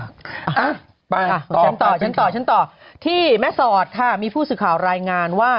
อ่ะไปต่อฉันต่อฉันต่อฉันต่อที่แม่สอดค่ะมีผู้สื่อข่าวรายงานว่า